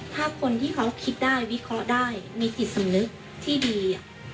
ถ้าคนที่เขาคิดได้วิเคราะห์ได้มีจิตสำนึกที่ดี